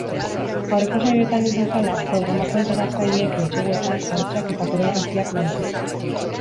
Aurreko saioetan ez bezala, programako antolatzaileek entseguetan, ahotsak eta koreografiak lantzeko.